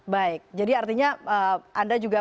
baik jadi artinya anda juga